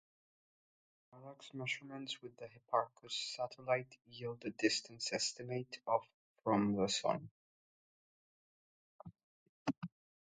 Parallax measurements with the Hipparcos satellite yield a distance estimate of from the Sun.